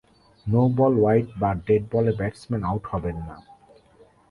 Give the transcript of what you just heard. No ball, wide বা dead বলে batsman out হবেন না।